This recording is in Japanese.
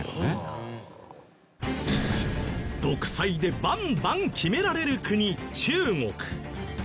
独裁でバンバン決められる国中国。